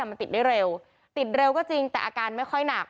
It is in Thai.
มันติดได้เร็วติดเร็วก็จริงแต่อาการไม่ค่อยหนัก